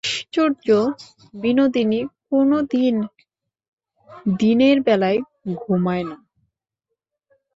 আশ্চর্য এই, বিনোদিনী কোনোদিন দিনের বেলায় ঘুমায় না।